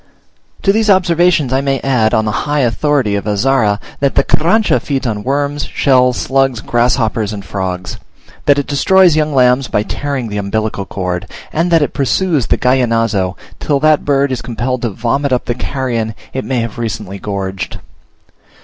To these observations I may add, on the high authority of Azara, that the Carrancha feeds on worms, shells, slugs, grasshoppers, and frogs; that it destroys young lambs by tearing the umbilical cord; and that it pursues the Gallinazo, till that bird is compelled to vomit up the carrion it may have recently gorged.